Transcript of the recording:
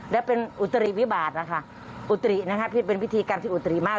และเป็นอุตริวิบาทนะคะอุตรินะคะพี่เป็นพิธีกรรมที่อุตรีมาก